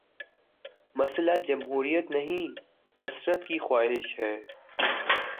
مسئلہ جمہوریت نہیں، کثرت کی خواہش ہے۔